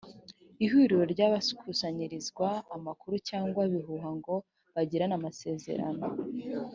ihuriro ry’ ahakusanyirizwa amakuru cyangwa ibihuha ngo bagirane amasezerano